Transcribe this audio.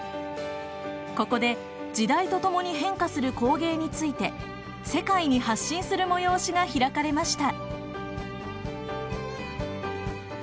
ここで時代と共に変化する工芸について世界に発信する催しが開かれました。